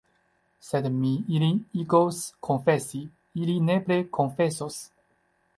Sed mi ilin igos konfesi, ili nepre konfesos.